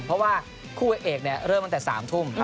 เพราะว่าคู่เอกเริ่มตั้งแต่๓ทุ่ม